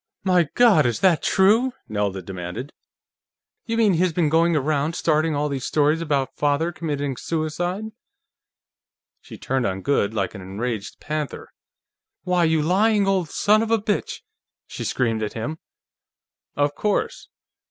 "My God, is that true?" Nelda demanded. "You mean, he's been going around starting all these stories about Father committing suicide?" She turned on Goode like an enraged panther. "Why, you lying old son of a bitch!" she screamed at him. "Of course.